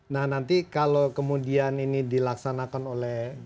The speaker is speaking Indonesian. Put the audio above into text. nah nanti kalau kemudian ini dilaksanakan oleh